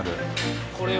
これを。